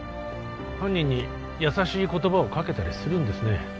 犯人に優しい言葉をかけたりするんですね